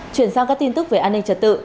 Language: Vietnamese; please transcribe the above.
chuyển sang các tin tức về an ninh trật tự